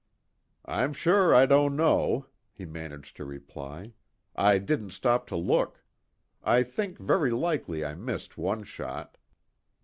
"I'm sure I don't know," he managed to reply, "I didn't stop to look. I think very likely I missed one shot."